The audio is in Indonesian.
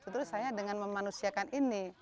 justru saya dengan memanusiakan ini